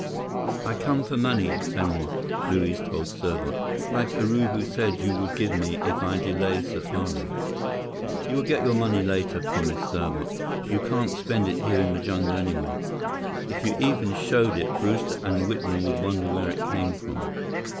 "I come for money, Senhor," Luiz told Serbot. "Like Urubu said you would give me if I delay safari." "You will get your money later," promised Serbot. "You can't spend it here in the jungle anyway. If you even showed it, Brewster and Whitman would wonder where it came from."